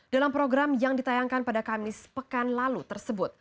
dalam program yang ditayangkan pada kamis pekan lalu tersebut